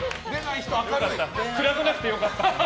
暗くなくてよかった。